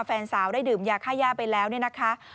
แฟนสาวได้ดื่มยาค่าย่าไปแล้วเนี่ยนะคะ